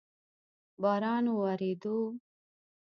باران اوورېدو؟